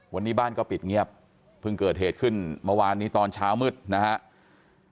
วันนี้บ้านก็ปิดเงียบเพิ่งเกิดเหตุขึ้นเมื่อวานนี้ตอนเช้ามืดนะครับ